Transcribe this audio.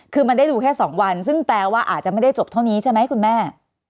คือมันได้ดูแค่๒วันซึ่งแปลว่าอาจจะไม่ได้จบเท่านี้ใช่ไหมคุณแม่